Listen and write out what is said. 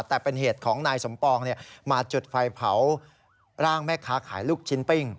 แต่เป็นเหตุของนายสมปองมาจุดไฟเผาร่างแม่ค้าขายลูกชิ้นปิ้ง